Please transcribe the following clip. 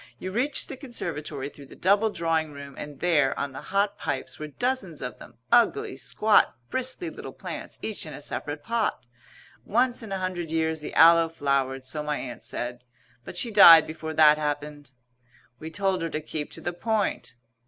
You reached the conservatory through the double drawing room, and there, on the hot pipes, were dozens of them, ugly, squat, bristly little plants each in a separate pot. Once in a hundred years the Aloe flowered, so my Aunt said. But she died before that happened " We told her to keep to the point.